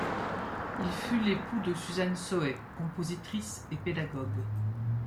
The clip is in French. Il fut l'époux de Suzanne Sohet, compositrice et pédagogue.